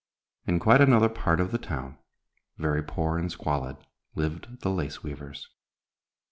In quite another part of the town, very poor and squalid, lived the lace weavers.